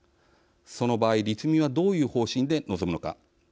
その場合立民はどういう方針で臨むのか。